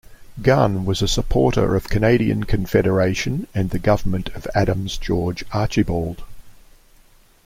Gunn was a supporter of Canadian Confederation and the Government of Adams George Archibald.